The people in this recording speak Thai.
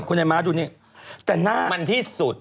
คุณละมาดูนี่มันที่สุด